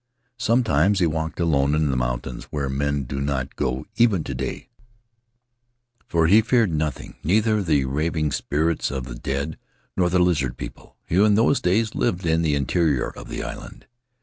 Sometimes he walked alone in the mountains where men do not go even to day, for he feared nothing — neither the ravening spirits of the dead, nor the Lizard People, who in those days lived in the interior of the island.